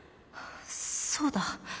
そうだ。